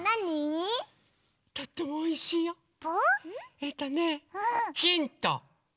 えっとねヒント！